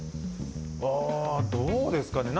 ああどうですかね。